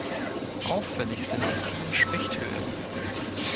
Auffällig sind die vielen Spechthöhlen.